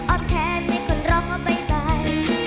ออกแทนให้คนรอบใบบ่าย